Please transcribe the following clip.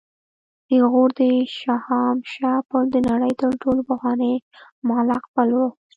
د غور د شاهمشه پل د نړۍ تر ټولو پخوانی معلق پل و